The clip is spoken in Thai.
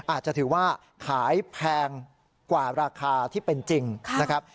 อาจจะถือว่าขายแพงกว่าราคาที่เป็นจริงนะครับ